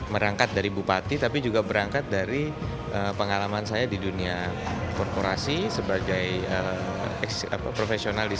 merangkat dari bupati tapi juga berangkat dari pengalaman saya di dunia korporasi sebagai profesional di